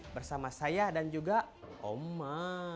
bersama saya dan juga oma